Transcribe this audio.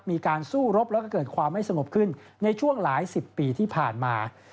มีการสู้รบแล้วก็เกิดความไม่สงบขึ้นในช่วงหลายสิบปีที่ผ่านมา